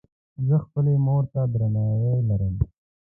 زۀ خپلې مور ته درناوی لرم.